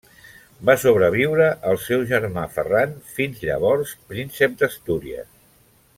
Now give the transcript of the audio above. Va sobreviure al seu germà Ferran, fins llavors príncep d'Astúries.